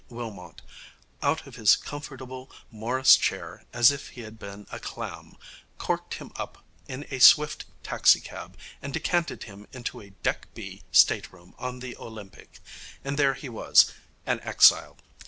Wilmot out of his comfortable morris chair as if he had been a clam, corked him up in a swift taxicab, and decanted him into a Deck B stateroom on the Olympic. And there he was, an exile.